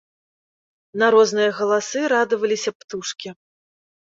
На розныя галасы радаваліся птушкі.